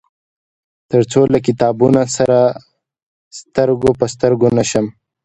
تر څو له کتابونه سره سترګو په سترګو نشم.